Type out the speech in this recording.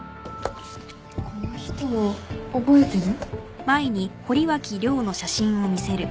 この人覚えてる？